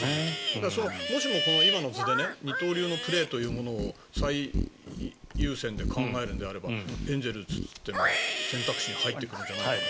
もしも今の図で二刀流のプレーというものを最優先で考えるのであればエンゼルスというのは選択肢に入ってくるんじゃないかな。